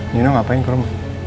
nino ngapain ke rumah